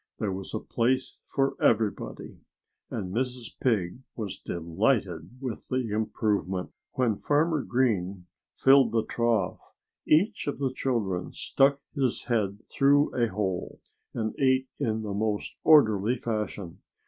There was a place for everybody. And Mrs. Pig was delighted with the improvement. When Farmer Green filled the trough, each of the children stuck his head through a hole and ate in the most orderly fashion.